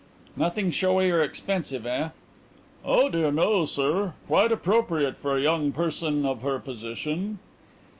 "Nothing showy or expensive, eh?" "Oh dear no, sir. Quite appropriate for a young person of her position."